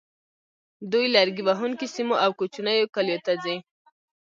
دوی لرګي وهونکو سیمو او کوچنیو کلیو ته ځي